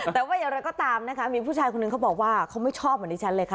แต่ว่าอย่างไรก็ตามนะคะมีผู้ชายคนหนึ่งเขาบอกว่าเขาไม่ชอบเหมือนดิฉันเลยค่ะ